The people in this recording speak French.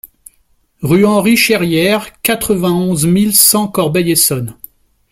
Rue Henri Cherrière, quatre-vingt-onze mille cent Corbeil-Essonnes